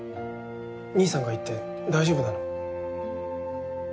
兄さんが行って大丈夫なの？